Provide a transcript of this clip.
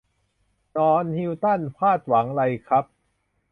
นอนฮิลตันคาดหวังไรครับ